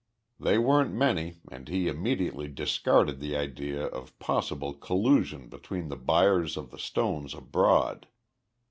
They weren't many and he immediately discarded the idea of possible collusion between the buyers of the stones abroad.